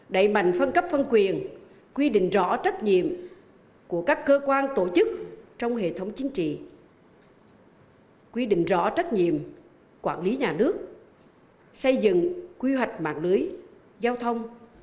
đẩy mạnh phân cấp phân quyền quy định rõ trách nhiệm của các cơ quan tổ chức trong hệ thống chính trị quy định rõ trách nhiệm quản lý nhà nước xây dựng quy hoạch mạng lưới giao thông